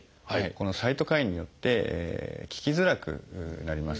このサイトカインによって効きづらくなります。